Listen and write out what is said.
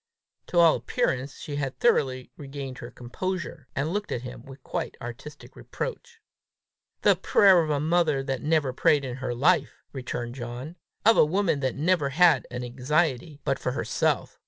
To all appearance she had thoroughly regained her composure, and looked at him with a quite artistic reproach. "The prayer of a mother that never prayed in her life!" returned John; " of a woman that never had an anxiety but for herself!